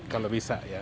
kalau bisa ya